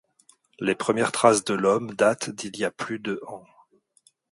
Les premières traces de l'homme datent d'il y a plus de ans.